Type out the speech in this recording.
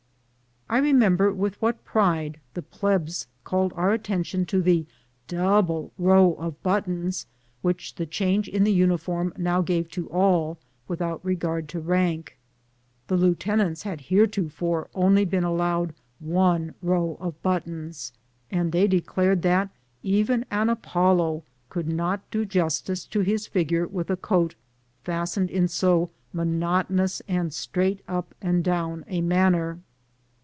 I remember with what pride the "plebs" called our attention to the double row of buttons which the change in the uniform now gave to all, without regard to rank. The lieutenants had heretofore only been allowed one row of buttons, and they declared that an Apollo even conld not do justice to his figure with a coat fastened in so monotonous and straight up and down a manner.